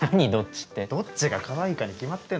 どっちがかわいいかに決まってんだろ。